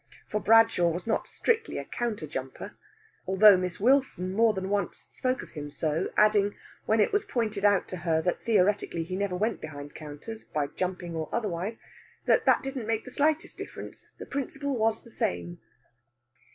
For Bradshaw was not strictly a counter jumper, although Miss Wilson more than once spoke of him so, adding, when it was pointed out to her that theoretically he never went behind counters, by jumping or otherwise, that that didn't make the slightest difference: the principle was the same.